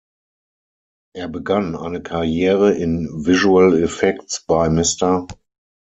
Er begann eine Karriere in Visual Effects bei Mr.